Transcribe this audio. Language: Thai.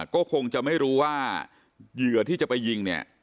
ก็คงจะไม่รู้ว่าเหยื่อที่จะไปยิงเนี่ย